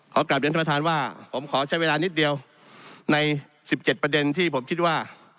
กลับเรียนท่านประธานว่าผมขอใช้เวลานิดเดียวใน๑๗ประเด็นที่ผมคิดว่า